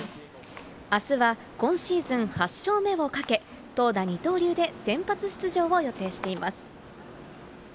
あすは、今シーズン８勝目をかけ、投打二刀流で先発出場を予定しています。